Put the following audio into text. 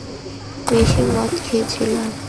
বেশিই মদ খেয়েছিলাম।